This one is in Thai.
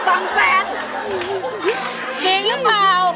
จริงหรือเปล่า